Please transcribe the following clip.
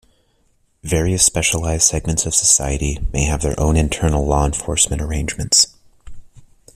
Various specialized segments of society may have their own internal law enforcement arrangements.